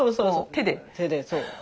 手でそう。